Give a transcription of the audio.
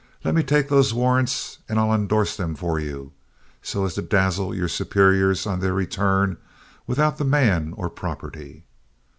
Let me take those warrants and I'll indorse them for you, so as to dazzle your superiors on their return without the man or property.